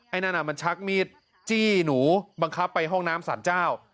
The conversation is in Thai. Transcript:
นั่นมันชักมีดจี้หนูบังคับไปห้องน้ำสรรเจ้า